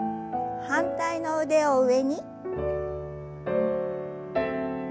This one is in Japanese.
反対の腕を上に。